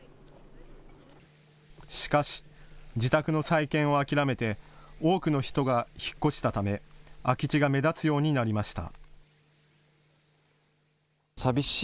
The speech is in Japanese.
しかし、自宅の再建を諦めて多くの人が引っ越したため空き地が目立つようになりました。